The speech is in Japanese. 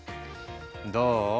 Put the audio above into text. どう？